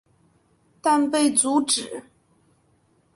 但被阻止。